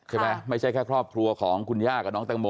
ไม่ใช่แค่ครอบครัวของคุณย่ากับน้องตังโม